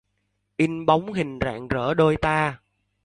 In bóng hình rạng rỡ đôi ta.